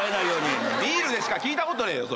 ビールでしか聞いたことねえよ